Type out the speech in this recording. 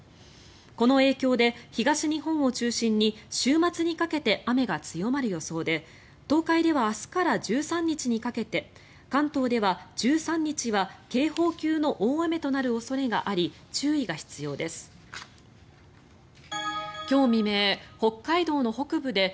この影響で東日本を中心に週末にかけて雨が強まる予想で東海では明日から１３日にかけて関東では１３日は警報級の大雨となる恐れがあり注意が必要です。